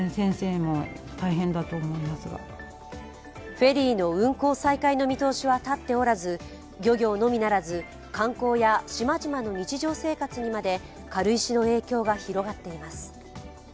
フェリーの運航再開の見通しは立っておらず漁業のみならず観光や島々の日常生活にまで軽石の影響が広がっています。